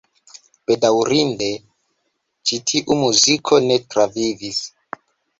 Bedaŭrinde ĉi tiu muziko ne travivis.